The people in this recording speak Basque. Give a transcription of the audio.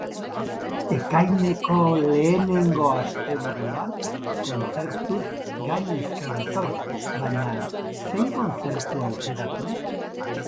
Ekaineko lehenengo asteburua kontzertuz gainezka dator, baina zein kontzertu aukeratu?